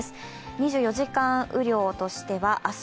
２４時間雨量としては明日